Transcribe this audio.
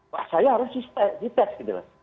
wah saya harus di tes gitu loh